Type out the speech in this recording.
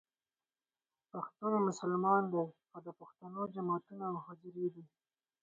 پښتون مسلمان دی او د پښتنو جوماتونه او حجرې دي.